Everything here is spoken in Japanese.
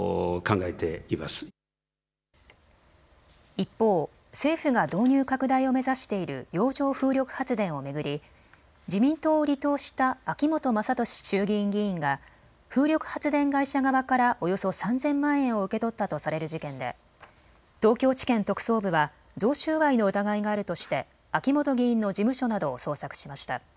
一方、政府が導入拡大を目指している洋上風力発電を巡り自民党を離党した秋本真利衆議院議員が風力発電会社側からおよそ３０００万円を受け取ったとされる事件で東京地検特捜部は贈収賄の疑いがあるとして秋本議員の事務所などを捜索しました。